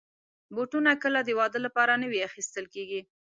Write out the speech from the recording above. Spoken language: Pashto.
بوټونه کله د واده لپاره نوي اخیستل کېږي.